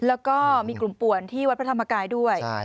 แล้วก็มีกลุ่มป่วนที่วัดพระธรรมกายด้วย